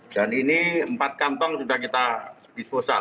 dan ini empat kantong sudah kita disposal